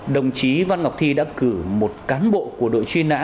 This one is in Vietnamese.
đồng chí văn ngọc thi đã cử một cán bộ của đội truy nã